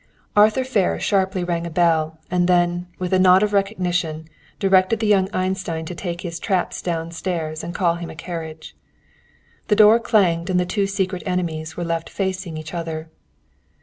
Arthur Ferris sharply rang a bell, and then, with a nod of recognition, directed the young Einstein to take his traps down stairs and call him a carriage. The door clanged and the two secret enemies were left facing each other.